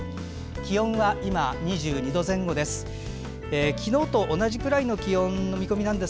気温は今、２２度前後です。